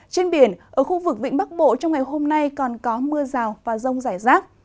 trên biển ở khu vực vĩnh bắc bộ trong ngày hôm nay còn có mưa rào và rông rải rác